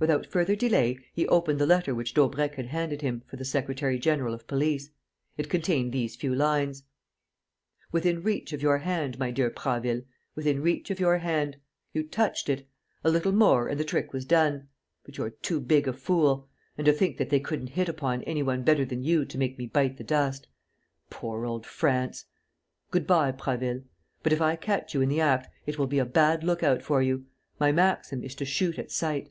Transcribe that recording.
Without further delay, he opened the letter which Daubrecq had handed him for the secretary general of police. It contained these few lines: "Within reach of your hand, my dear Prasville, within reach of your hand! You touched it! A little more and the trick was done.... But you're too big a fool. And to think that they couldn't hit upon any one better than you to make me bite the dust. Poor old France! Good bye, Prasville. But, if I catch you in the act, it will be a bad lookout for you: my maxim is to shoot at sight.